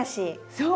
そう。